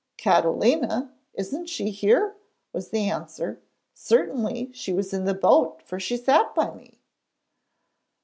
'Catalina? Isn't she here?' was the answer. 'Certainly she was in the boat, for she sat by me!'